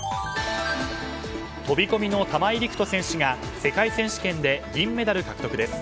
飛込の玉井陸斗選手が世界選手権で銀メダル獲得です。